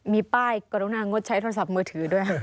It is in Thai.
มีป้ายกรุณางดใช้โทรศัพท์มือถือด้วย